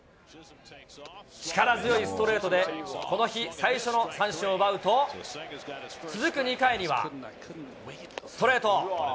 力強いストレートで、この日最初の三振を奪うと、続く２回には、ストレート。